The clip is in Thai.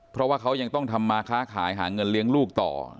เพราะว่าเขายังต้องทำมาค้าขายหาเงินเลี้ยงลูกต่อ